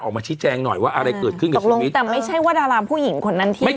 ออกมาชี้แจงหน่อยว่าอะไรเกิดขึ้นกับช่วงนี้แต่ไม่ใช่ว่าดาราผู้หญิงคนนั้นที่